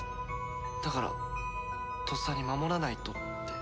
だからとっさに守らないとって。